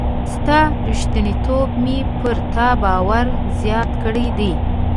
ستا ریښتینتوب مي پر تا باور زیات کړی دی.